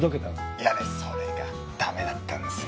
いやねそれがだめだったんですよ。